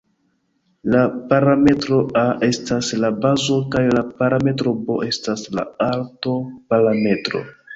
La parametro "a" estas la bazo kaj la parametro "b" estas la "alto"-parametro.